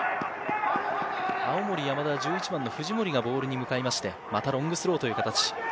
青森山田は１１番の藤森がボールに迎えまして、またロングスローという形。